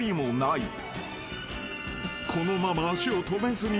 ［このまま］